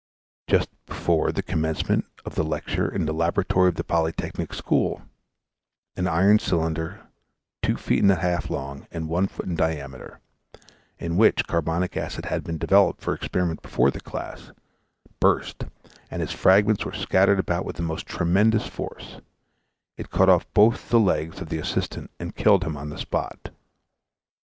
Just before the commencement of the lecture in the Laboratory of the Polytechnic School, an iron cylinder, two feet and a half long and one foot in diameter, in which carbonic acid had been developed for experiment before the class, burst, and its fragments were scattered about with the most tremendous force; it cut off both the legs of the assistant and killed him on the spot.